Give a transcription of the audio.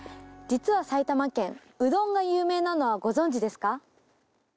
実は埼玉県うどんが有名なのはご存じですか？